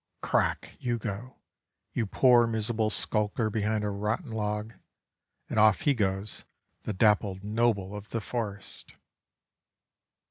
Crack you go, you poor miserable skulker behind a rotten log, and off he goes, the dappled noble of the forest!